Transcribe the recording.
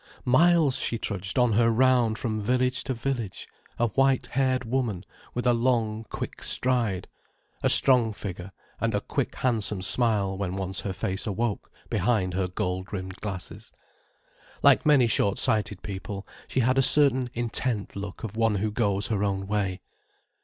Miles she trudged, on her round from village to village: a white haired woman with a long, quick stride, a strong figure, and a quick, handsome smile when once her face awoke behind her gold rimmed glasses. Like many short sighted people, she had a certain intent look of one who goes her own way.